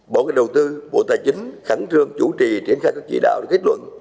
bỏ cái đầu tư bộ tài chính khẳng trương chủ trì triển khai các chỉ đạo để kết luận